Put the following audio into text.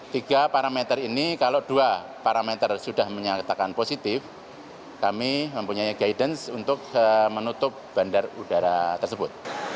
tiga parameter ini kalau dua parameter sudah menyatakan positif kami mempunyai guidance untuk menutup bandar udara tersebut